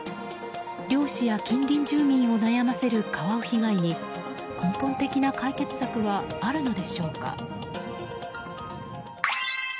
漁師や近隣住民を悩ませるカワウ被害に根本的な解決策はあるのでしょうか。